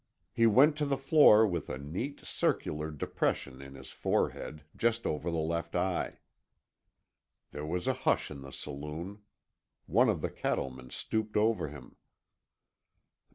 He went to the floor with a neat, circular depression in his forehead, just over the left eye. There was a hush in the saloon. One of the cattlemen stooped over him.